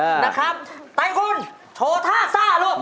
นะครับไตคุณโชว์ท่าซ่าลูก